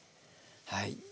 はい。